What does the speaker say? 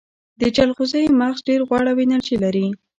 د جلغوزیو مغز ډیر غوړ او انرژي لري.